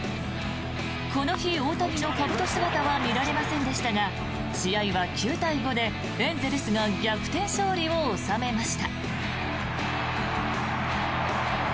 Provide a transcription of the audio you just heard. この日、大谷のかぶと姿は見られませんでしたが試合は９対５で、エンゼルスが逆転勝利を収めました。